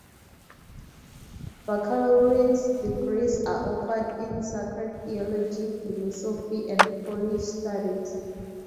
Baccalaureate degrees are offered in Sacred Theology, Philosophy, and Polish Studies.